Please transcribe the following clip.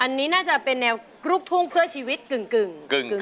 อันนี้น่าจะเป็นแนวลูกทุ่งเพื่อชีวิตกึ่ง